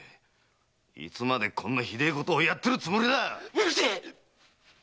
いつまでこんなひどいことをやってるつもりだ‼うるせえ！